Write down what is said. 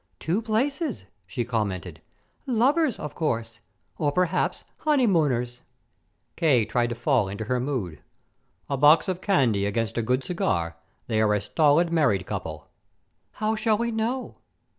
"Two places!" she commented. "Lovers, of course. Or perhaps honeymooners." K. tried to fall into her mood. "A box of candy against a good cigar, they are a stolid married couple." "How shall we know?"